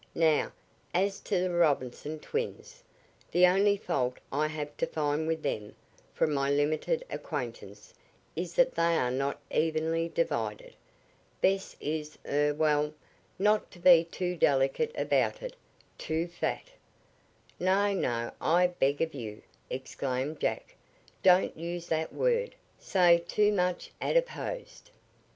"Now, as to the Robinson twins. The only fault I have to find with them, from my limited acquaintance, is that they are not evenly divided. Bess is er well, not to be too delicate about it too fat " "No, no, I beg of you!" exclaimed Jack. "Don't use that word. Say too much adiposed."